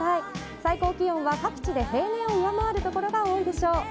最高気温は各地で平年を上回る所が多いでしょう。